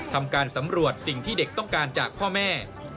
ทำการสำรวจสิ่งที่เด็กต้องการจากพ่อแม่